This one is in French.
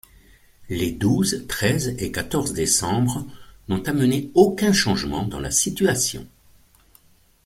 Les douze, treize et quatorze décembre n’ont amené aucun changement dans la situation.